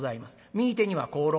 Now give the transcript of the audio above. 右手には香炉。